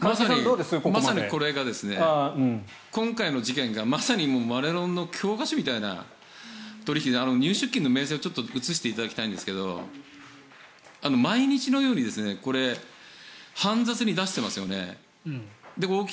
まさに今回の事件がまさにこれがマネロンの教科書みたいな取引で入出金の明細を映していただきたいんですが毎日のように煩雑に出していますよね。